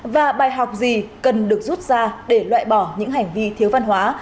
và bài học gì cần được rút ra để loại bỏ những hành vi thiếu văn hóa